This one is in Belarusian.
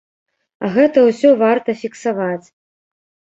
А гэта ўсё варта фіксаваць.